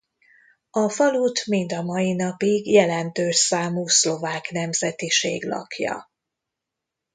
A falut mind a mai napig jelentős számú szlovák nemzetiség lakja.